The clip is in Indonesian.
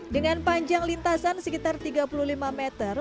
dengan panjang lintasan sekitar tiga puluh lima meter